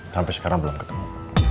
sampai sekarang belum ketemu